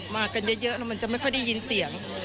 มากันเยอะแล้วมันจะไม่ค่อยได้ยินเสียง